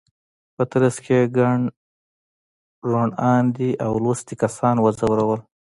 په ترڅ کې یې ګڼ روڼ اندي او لوستي کسان وځورول.